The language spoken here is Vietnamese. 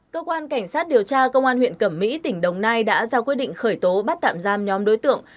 cơ quan cảnh sát điều tra công an huyện cẩm mỹ tỉnh đồng nai đã ra quyết định khởi tố bắt tạm giam nhóm đối tượng